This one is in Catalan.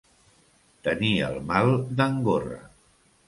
Tenir el mal d'en Gorra.